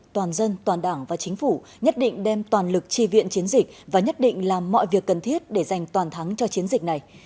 toàn dân toàn đảng và chính phủ nhất định đem toàn lực tri viện chiến dịch và nhất định làm mọi việc cần thiết để giành toàn thắng cho chiến dịch này